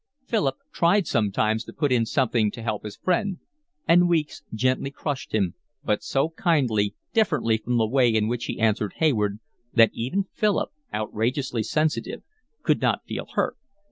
Philip tried sometimes to put in something to help his friend, and Weeks gently crushed him, but so kindly, differently from the way in which he answered Hayward, that even Philip, outrageously sensitive, could not feel hurt.